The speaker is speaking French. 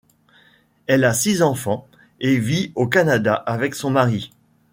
Elle a six enfants et vit au Canada avec son mari.